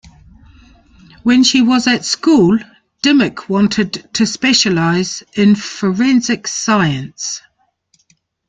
When she was at school Dimmock wanted to specialise in forensic science.